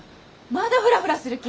まだフラフラする気？